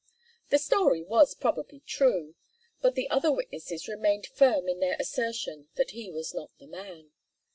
The story was probably true, but the other witnesses remained firm in their assertion that he was not the man.